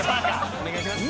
お願いします